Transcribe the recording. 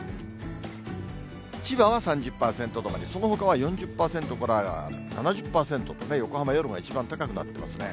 千葉は３０％止まり、そのほかは４０％から７０％とね、横浜、夜が一番高くなっていますね。